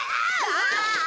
ああ！